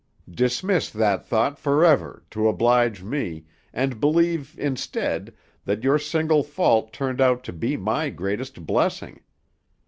Dismiss that thought forever, to oblige me, and believe, instead, that your single fault turned out to be my greatest blessing.